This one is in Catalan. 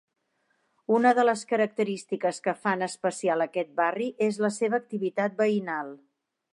Una de les característiques que fan especial aquest barri és la seva activitat veïnal.